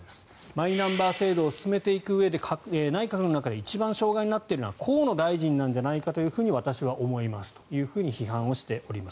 マイナンバー制度を進めていくうえで内閣の中で一番障害になっているのは河野大臣なんじゃないかと私は思いますと批判をしております。